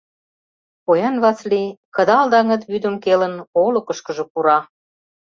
Поян Васлий, кыдал даҥыт вӱдым келын, олыкышкыжо пура.